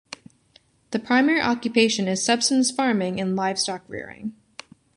The primary occupation is subsistence farming and livestock rearing.